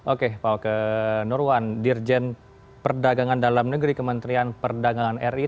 oke pak oke nurwan dirjen perdagangan dalam negeri kementerian perdagangan ri